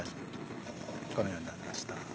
このようになりました。